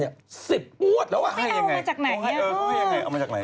๑๐งวดแล้วว่าให้ยังไงเออเอามาจากไหน